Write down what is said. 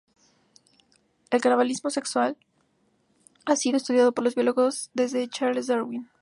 El canibalismo sexual ha sido estudiado por los biólogos desde Charles Darwin.